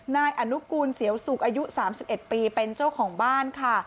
นายอนุกูลเสียวสุกอายุ๓๑ปีเป็นเจ้าของบ้านค่ะ